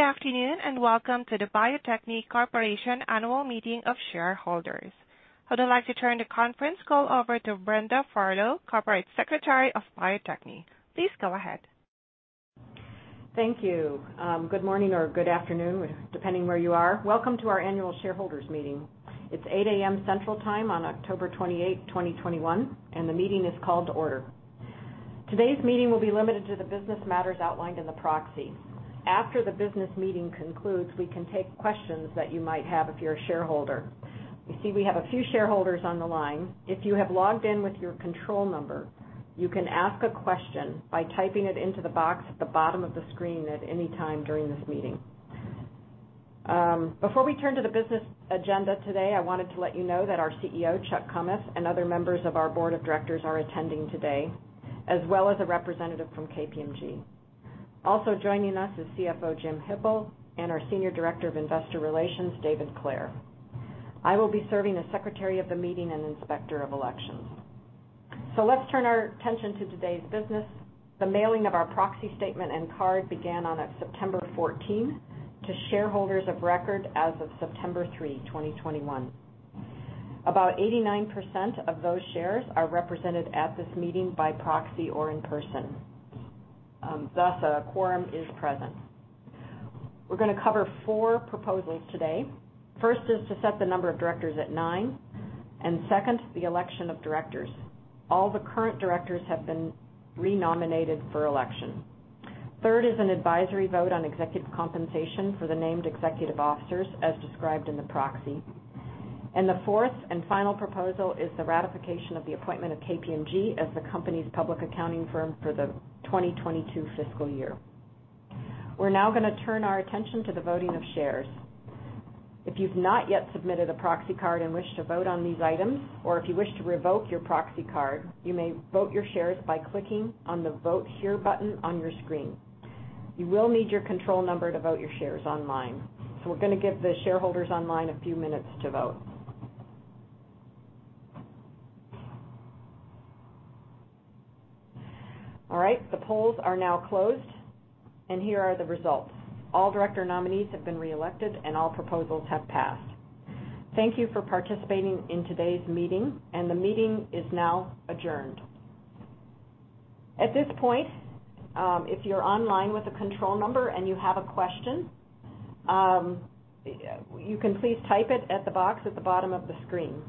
Good afternoon, and welcome to the Bio-Techne Corporation Annual Meeting of Shareholders. I would like to turn the conference call over to Brenda Furlow, Corporate Secretary of Bio-Techne. Please go ahead. Thank you. Good morning or good afternoon, depending where you are. Welcome to our Annual Shareholders Meeting. It's 8:00 A.M. Central Time on October 28, 2021, and the meeting is called to order. Today's meeting will be limited to the business matters outlined in the proxy. After the business meeting concludes, we can take questions that you might have if you're a shareholder. I see we have a few shareholders on the line. If you have logged in with your control number, you can ask a question by typing it into the box at the bottom of the screen at any time during this meeting. Before we turn to the business agenda today, I wanted to let you know that our CEO, Chuck Kummeth, and other members of our Board of Directors are attending today, as well as a representative from KPMG. Also joining us is CFO Jim Hippel and our Senior Director of Investor Relations, David Clair. I will be serving as secretary of the meeting and inspector of elections. Let's turn our attention to today's business. The mailing of our proxy statement and card began on September 14 to shareholders of record as of September 3, 2021. About 89% of those shares are represented at this meeting by proxy or in person. Thus, a quorum is present. We're gonna cover four proposals today. First is to set the number of directors at nine, and second, the election of directors. All the current directors have been re-nominated for election. Third is an advisory vote on executive compensation for the named executive officers as described in the proxy. The fourth and final proposal is the ratification of the appointment of KPMG as the company's public accounting firm for the 2022 fiscal year. We're now gonna turn our attention to the voting of shares. If you've not yet submitted a proxy card and wish to vote on these items, or if you wish to revoke your proxy card, you may vote your shares by clicking on the Vote Here button on your screen. You will need your control number to vote your shares online. We're gonna give the shareholders online a few minutes to vote. All right, the polls are now closed, and here are the results. All director nominees have been reelected, and all proposals have passed. Thank you for participating in today's meeting, and the meeting is now adjourned. At this point, if you're online with a control number and you have a question, you can please type it at the box at the bottom of the screen.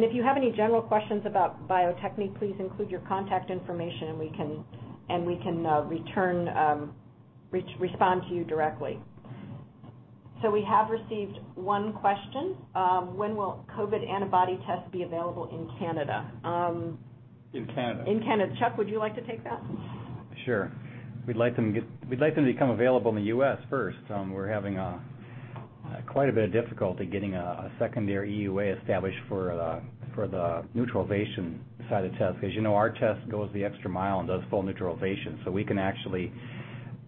If you have any general questions about Bio-Techne, please include your contact information and we can respond to you directly. We have received one question. When will COVID antibody tests be available in Canada? In Canada. In Canada. Chuck, would you like to take that? Sure. We'd like them to become available in the U.S. first. We're having quite a bit of difficulty getting a secondary EUA established for the neutralization side of tests. As you know, our test goes the extra mile and does full neutralization, so we can actually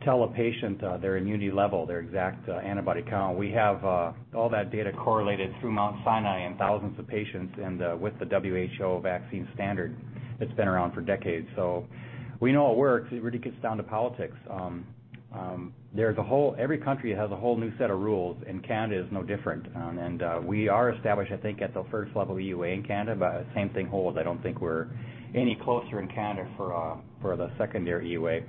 tell a patient their immunity level, their exact antibody count. We have all that data correlated through Mount Sinai and thousands of patients and with the WHO vaccine standard that's been around for decades. We know it works. It really gets down to politics. Every country has a whole new set of rules, and Canada is no different. We are established, I think, at the first level EUA in Canada, but same thing holds. I don't think we're any closer in Canada for the secondary EUA.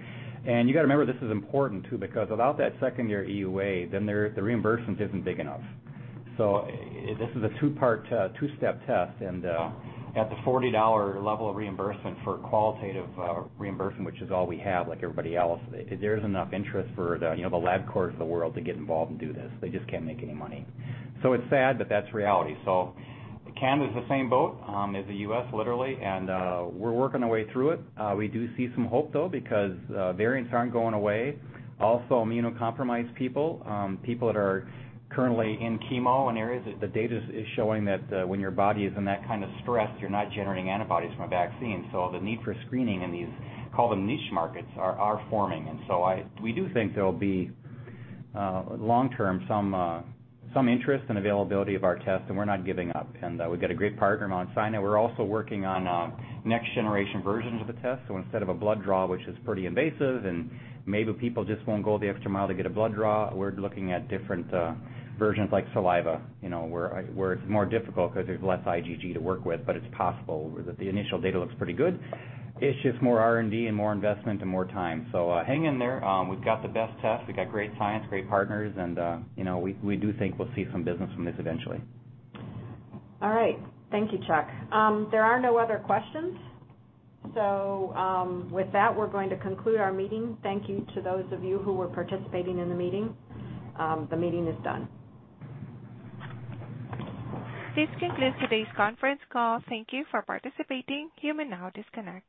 You gotta remember this is important, too, because without that secondary EUA, then the reimbursement isn't big enough. This is a two-part two-step test, and at the $40 level of reimbursement for qualitative reimbursement, which is all we have, like everybody else, there isn't enough interest for the, you know, the Labcorp of the world to get involved and do this. They just can't make any money. It's sad, but that's reality. Canada's the same boat as the U.S., literally, and we're working our way through it. We do see some hope, though, because variants aren't going away. Also, immunocompromised people that are currently in chemo and areas that the data is showing that, when your body is in that kind of stress, you're not generating antibodies from a vaccine. The need for screening in these, call them niche markets, are forming. We do think there'll be, long term, some interest and availability of our test, and we're not giving up. We've got a great partner, Mount Sinai. We're also working on next generation versions of the test. Instead of a blood draw, which is pretty invasive, and maybe people just won't go the extra mile to get a blood draw, we're looking at different versions like saliva, you know, where it's more difficult 'cause there's less IgG to work with, but it's possible. The initial data looks pretty good. It's just more R&D and more investment and more time. So hang in there. We've got the best tests, we've got great science, great partners, and you know, we do think we'll see some business from this eventually. All right. Thank you, Chuck. There are no other questions. With that, we're going to conclude our meeting. Thank you to those of you who were participating in the meeting. The meeting is done. This concludes today's conference call. Thank you for participating. You may now disconnect.